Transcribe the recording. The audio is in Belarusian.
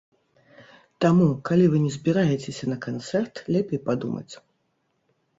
Таму, калі вы не збіраецеся на канцэрт, лепей падумаць.